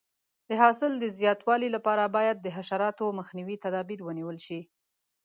د حاصل د زیاتوالي لپاره باید د حشراتو مخنیوي تدابیر ونیول شي.